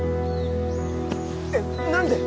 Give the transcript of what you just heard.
えっ何で？